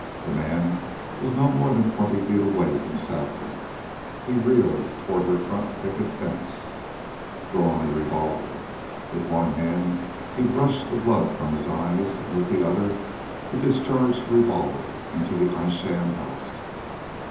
The man was no more than twenty feet away from Saxon. He reeled toward her front picket fence, drawing a revolver. With one hand he brushed the blood from his eyes and with the other he discharged the revolver into the Isham house.